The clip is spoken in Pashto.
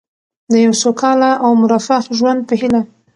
د یو سوکاله او مرفه ژوند په هیله.